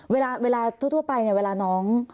เวลาทั่วไปเนี่ยเวลาน้อง